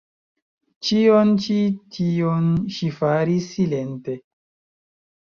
Ĉion ĉi tion ŝi faris silente.